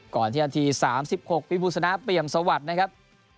ก่อนที่นาที๓๖พี่บุษณะเปรียมสวัสดิ์นะครับ